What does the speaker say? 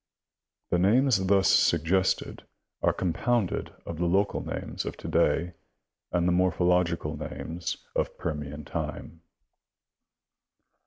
The names thus suggested are compounded of the local names of to day and the morphological names of Permian time.